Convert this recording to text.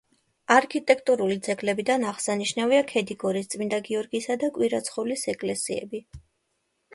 არქიტექტურული ძეგლებიდან აღსანიშნავია ქედიგორის წმინდა გიორგისა და კვირაცხოვლის ეკლესიები.